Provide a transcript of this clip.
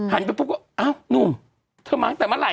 หันไปพวก็อ้าวนุ่มเธอมาตั้งแต่เมื่อไหร่